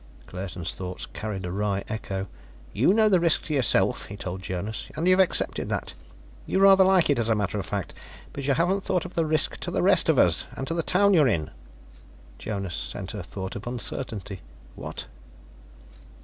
Claerten's thought carried a wry echo. "You know the risk to yourself," he told Jonas, "and you've accepted that. You rather like it, as a matter of fact. But you haven't thought of the risk to the rest of us and to the town you're in." Jonas sent a thought of uncertainty: "What?"